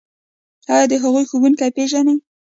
ایا د هغوی ښوونکي پیژنئ؟